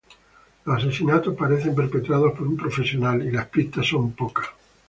Los asesinatos parecen perpetrados por un profesional y las pistas son pocas.